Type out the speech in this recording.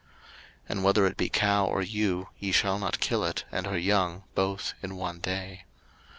03:022:028 And whether it be cow, or ewe, ye shall not kill it and her young both in one day.